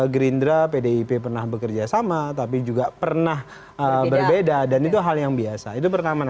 gerindra pdip pernah bekerja sama tapi juga pernah berbeda dan itu hal yang biasa itu pertama